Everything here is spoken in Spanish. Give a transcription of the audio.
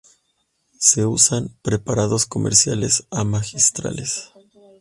Se usan preparados comerciales o magistrales.